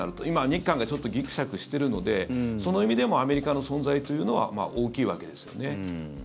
今、日韓がちょっとぎくしゃくしているのでその意味でもアメリカの存在というのは大きいわけですよね。